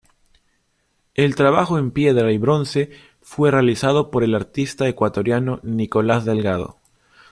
El trabajo en piedra y bronce fue realizado por el artista ecuatoriano Nicolás Delgado.